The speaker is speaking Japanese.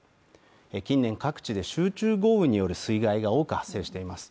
近年、各地で集中豪雨による被害が多く発生しています。